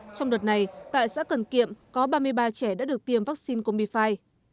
trong đợt này tại xã cần kiệm có ba mươi ba trẻ đã được tiêm vaccine combi năm